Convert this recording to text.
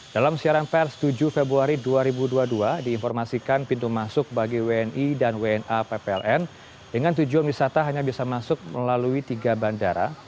dalam siaran pers tujuh februari dua ribu dua puluh dua diinformasikan pintu masuk bagi wni dan wna ppln dengan tujuan wisata hanya bisa masuk melalui tiga bandara